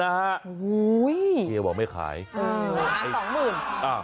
สามหมื่น